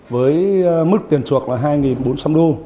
với mức tiền chuộc là hai bốn trăm linh đô